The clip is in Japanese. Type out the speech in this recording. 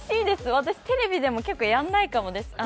私、テレビでも結構やらないかもです。